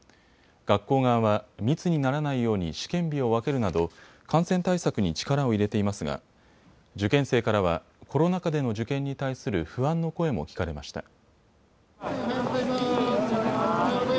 学校側は密にならないように試験日を分けるなど感染対策に力を入れていますが受験生からはコロナ禍での受験に対する不安の声も聞かれました。